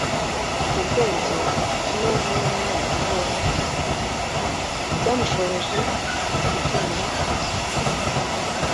ubwenge n'ubunararibonye byamushoboje gukemura ibibazo